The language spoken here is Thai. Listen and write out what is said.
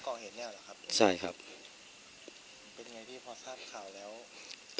เป็นยังไงที่พอทราบข่าวแล้ว